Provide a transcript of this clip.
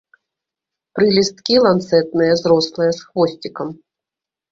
Прылісткі ланцэтныя, зрослыя з хвосцікам.